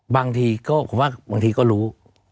บางทีก็ผมว่าบางทีก็รู้